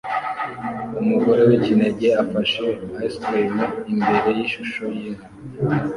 Umugore wikinege afashe ice cream imbere yishusho yinka